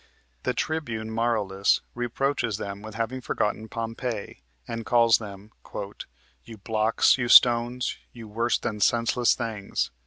The Tribune Marullus reproaches them with having forgotten Pompey, and calls them "You blocks, you stones, you worse than senseless things."